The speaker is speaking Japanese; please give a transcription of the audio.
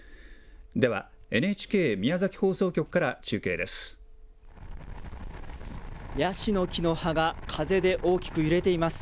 では、ＮＨＫ宮崎放送局から中継です。